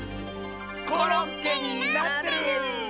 コロッケになってる！